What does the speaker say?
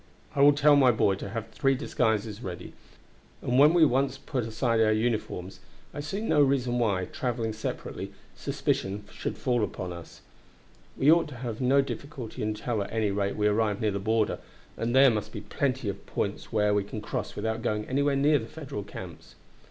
I will tell my boy to have three disguises ready; and when we once put aside our uniforms I see no reason why, traveling separately, suspicion should fall upon us; we ought to have no difficulty until at any rate we arrive near the border, and there must be plenty of points where we can cross without going anywhere near the Federal camps."